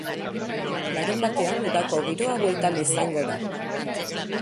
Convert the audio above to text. Larunbatean udako giroa bueltan izango da.